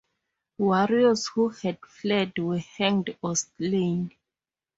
Warriors who had fled were hanged or slain.